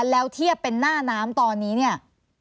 แล้วเทียบเป็นหน้าน้ำตอนนี้เนี่ย